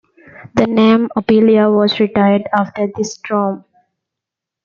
The name Ophelia was retired after this storm.